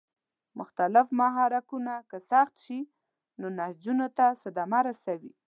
مختلف محرکونه که سخت شي نو نسجونو ته صدمه رسوي.